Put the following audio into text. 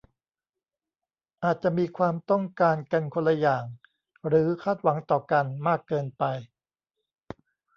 อาจจะมีความต้องการกันคนละอย่างหรือคาดหวังต่อกันมากเกินไป